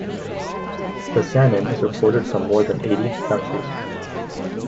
The Saanen is reported from more than eighty countries.